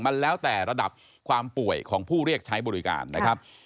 มันแล้วแต่ระดับความป่วยของผู้เรียกใช้บริการนะครับ